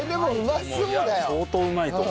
いや相当うまいと思う。